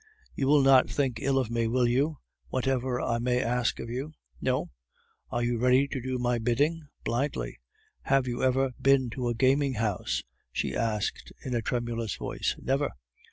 "You will not think ill of me, will you, whatever I may ask of you?" "No." "Are you ready to do my bidding?" "Blindly." "Have you ever been to a gaming house?" she asked in a tremulous voice. "Never."